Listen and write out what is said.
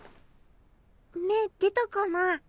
芽出たかな？